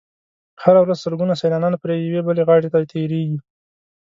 هره ورځ سلګونه سیلانیان پرې یوې بلې غاړې ته تېرېږي.